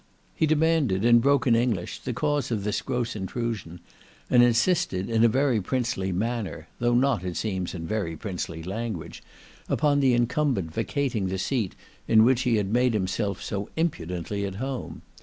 He demanded, in broken English, the cause of the gross intrusion, and insisted in a very princely manner, though not, it seems in very princely language, upon the incumbent vacating the seat in which he had made himself so impudently at home.